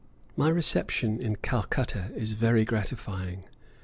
My reception in Calcutta is very gratifying.